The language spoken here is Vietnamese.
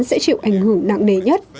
sẽ chịu ảnh hưởng nặng nề nhất